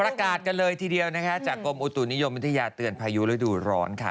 อากาศกันเลยทีเดียวนะคะจากกรมอุตุนิยมวิทยาเตือนพายุฤดูร้อนค่ะ